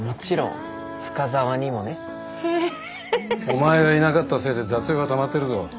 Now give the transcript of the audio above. お前がいなかったせいで雑用がたまってるぞ。